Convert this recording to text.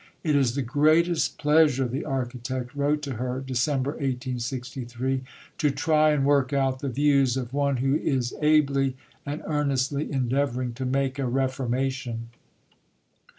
"It is the greatest pleasure," the architect wrote to her (Dec. 1863), "to try and work out the views of one who is ably and earnestly endeavouring to make a reformation."